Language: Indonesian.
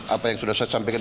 apa yang sudah saya sampaikan